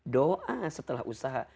doa setelah usaha